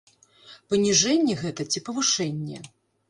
Паніжэнне гэта ці павышэнне?